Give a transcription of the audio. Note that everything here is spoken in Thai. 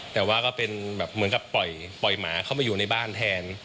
แต่ว่าก็เป็นแบบเหมือนกับปล่อยหมาเข้ามาอยู่ในบ้านแทน